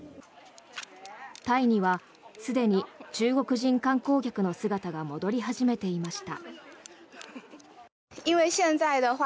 タイにはすでに中国人観光客の姿が戻り始めていました。